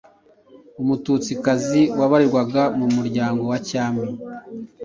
Umututsikazi wabarizwaga mu muryango wa Cyami.